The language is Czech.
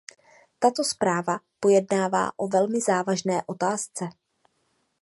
Tato zpráva pojednává o velmi závažné otázce.